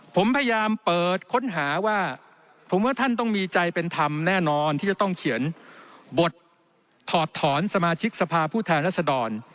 ผมพยายามเปิดค้นหาว่าผมว่าท่านต้องมีใจเป็นธรรมแน่นอนที่จะต้องเขียนบทถอดถอนสมาชิกสภาพผู้แทนรัศดร